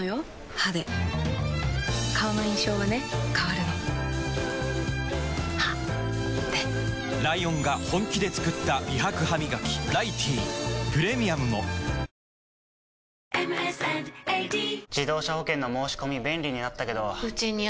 歯で顔の印象はね変わるの歯でライオンが本気で作った美白ハミガキ「ライティー」プレミアムも夫は妻を救えるのでしょうか？